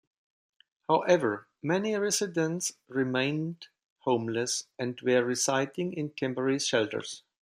However, many residents remained homeless and were residing in temporary shelters.